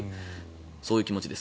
そういう気持ちです。